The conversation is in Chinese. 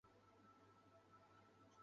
毛振飞住在基隆市的国民住宅老公寓。